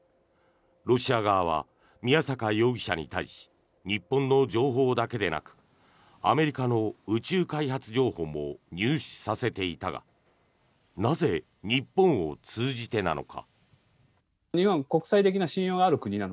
ロシア側は宮坂容疑者に対し日本の情報だけでなくアメリカの宇宙開発情報も入手させていたがなぜ、日本を通じてなのか。